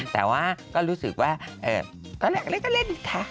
แต่ว่าก็รู้สึกว่าก็อยากเล่นก็เล่นค่ะ